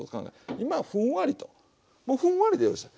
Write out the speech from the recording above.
今ふんわりともうふんわりでよろしい。